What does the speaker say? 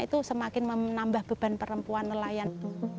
itu semakin menambah beban perempuan nelayan